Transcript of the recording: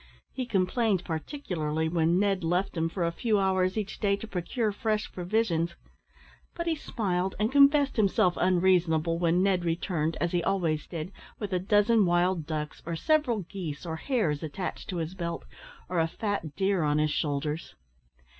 He complained particularly when Ned left him for a few hours each day to procure fresh provisions; but he smiled and confessed himself unreasonable when Ned returned, as he always did, with a dozen wild ducks, or several geese or hares attached to his belt, or a fat deer on his shoulders.